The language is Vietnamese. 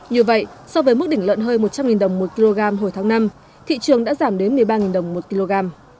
như vậy so với mức đỉnh lợn hơi một trăm linh đồng một kg hồi tháng năm thị trường đã giảm đến một mươi ba đồng một kg